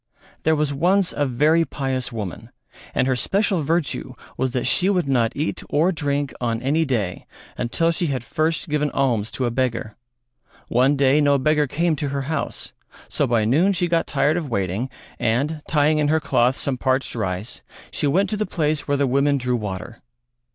There was once a very pious woman and her special virtue was that she would not eat or drink on any day until she had first given alms to a beggar. One day no beggar came to her house, so by noon she got tired of waiting, and, tying in her cloth some parched rice, she went to the place where the women drew water.